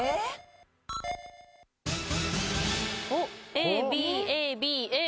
ＡＢＡＢＡ。